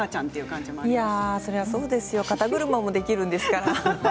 それはそうですよ肩車もできるんですから。